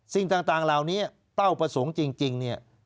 สิ่งต่างเหล่านี้เป้าประสงค์จริงเนี่ย